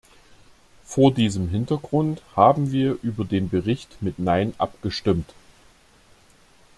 Vor diesem Hintergrund haben wir über den Bericht mit nein abgestimmt.